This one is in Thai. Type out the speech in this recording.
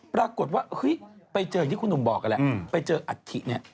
ปรากฏว่าเฮ้ยไปเจออย่างที่คุณหนุ่มบอกกันแหละไปเจออัฐิเนี่ย